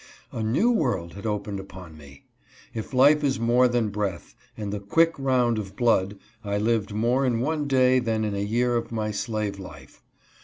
A new world had opened upon me. If life is more than breath, and the " quick round of blood," I lived more in one day than in a year of my slave life.